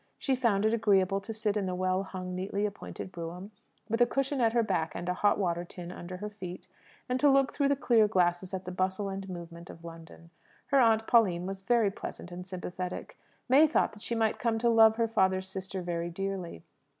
She found it agreeable to sit in the well hung, neatly appointed brougham, with a cushion at her back and a hot water tin under her feet, and to look through the clear glasses at the bustle and movement of London. Her aunt Pauline was very pleasant and sympathetic. May thought that she might come to love her father's sister very dearly.